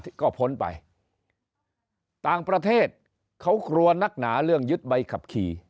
ก็พ้นไปต่างประเทศเขากลัวนักหนาเรื่องยึดใบขับขี่